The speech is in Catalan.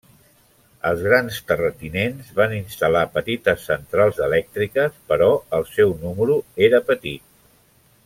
Els grans terratinents van instal·lar petites centrals elèctriques, però el seu número era petit.